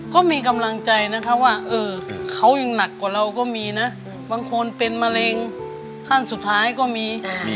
ก็มีกำลังใจนะคะว่าเขายังหนักกว่าเราก็มีนะบางคนเป็นมะเร็งขั้นสุดท้ายก็มี